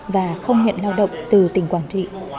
và không nhận lao động từ tỉnh quảng trị